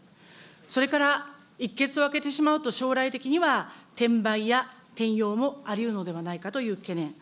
それから、一穴を開けてしまうと、将来的には転売や転用もありうるのではないかという懸念。